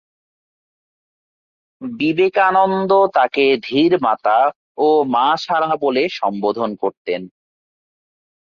বিবেকানন্দ তাকে ‘ধীর মাতা’ ও ‘মা সারা’ বলে সম্বোধন করতেন।